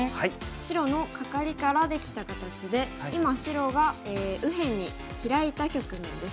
白のカカリからできた形で今白が右辺にヒラいた局面です。